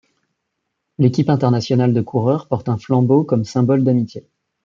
L'équipe internationale de coureurs porte un flambeau comme symbole d'amitié.